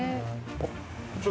おっ！